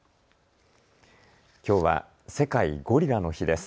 きょうは世界ゴリラの日です。